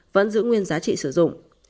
vẫn giữ nguyên giá trị sử dụng